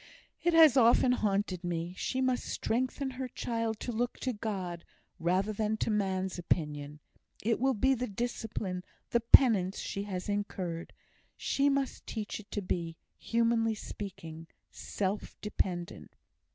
It has often haunted me. She must strengthen her child to look to God, rather than to man's opinion. It will be the discipline, the penance, she has incurred. She must teach it to be (humanly speaking) self dependent."